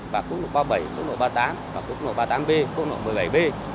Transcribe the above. và cốt lộ ba mươi bảy cốt lộ ba mươi tám và cốt lộ ba mươi tám b cốt lộ một mươi bảy b